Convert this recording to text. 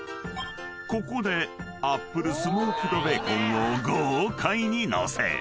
［ここでアップルスモークドベーコンを豪快に載せ］